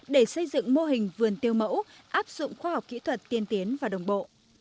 để xây dựng mô hình vườn tiêu mẫu áp dụng khoa học kỹ thuật tiên tiến và đồng bộ